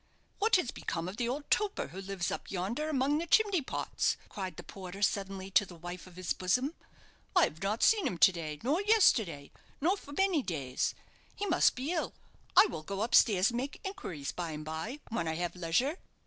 "What has become of the old toper who lives up yonder among the chimney pots?" cried the porter, suddenly, to the wife of his bosom. "I have not seen him to day nor yesterday, nor for many days. He must be ill. I will go upstairs and make inquiries by and by, when I have leisure."